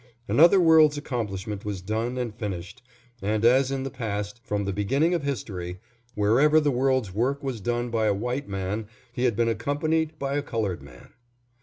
Another world's accomplishment was done and finished, and as in the past, from the beginning of history, wherever the world's work was done by a white man, he had been accompanied by a colored man.